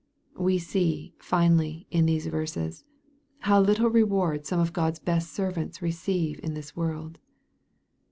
We see, finally, in these verses, how little reward some of God's best servants receive in this world.